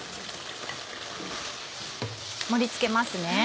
盛り付けますね。